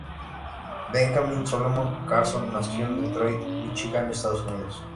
Benjamin Solomon Carson, nació en Detroit, Míchigan, Estados Unidos.